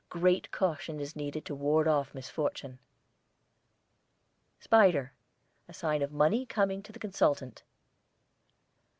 Great caution is needed to ward off misfortune. SPIDER, a sign of money coming to the consultant.